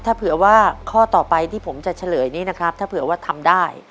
ถ้าเผื่อว่าข้อต่อไปที่ผมจะเฉลยนี้นะครับถ้าเผื่อว่าทำได้